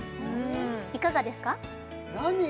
いかがですか？